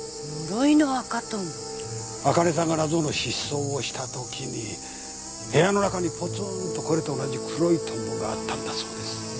あかねさんが謎の失踪をしたときに部屋の中にぽつんとこれと同じ黒いトンボがあったんだそうです。